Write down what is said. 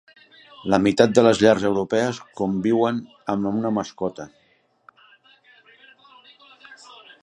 La meitat de les llars europees conviuen amb una mascota.